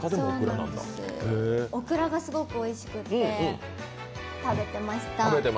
オクラがすごくおいしくて食べてました。